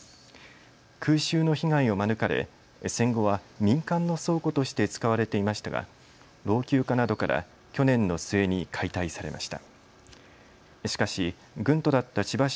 空襲の被害を免れ戦後は民間の倉庫として使われていましたが老朽化などから去年の末に解体されました。